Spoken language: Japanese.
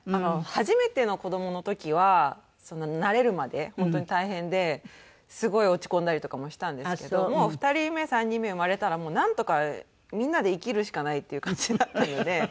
初めての子どもの時は慣れるまで本当に大変ですごい落ち込んだりとかもしたんですけどもう２人目３人目生まれたらなんとかみんなで生きるしかないっていう感じになったので。